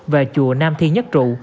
và chùa nam thi nhất trụ